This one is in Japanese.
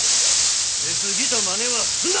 出過ぎたまねはすんな！